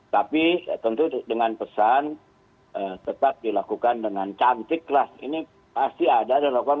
tapi tentu dengan pesan tetap dilakukan dengan cantik lah ini pasti ada dan lakukan